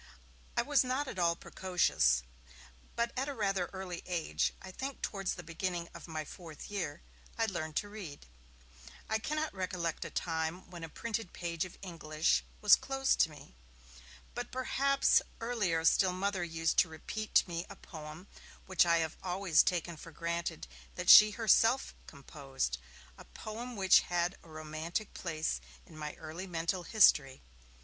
I was not at all precocious, but at a rather early age, I think towards the beginning of my fourth year, I learned to read. I cannot recollect a time when a printed page of English was closed to me. But perhaps earlier still my Mother used to repeat to me a poem which I have always taken for granted that she had herself composed, a poem which had a romantic place in my early mental history.